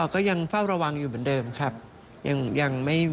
ก็มาพูดคุยปกติ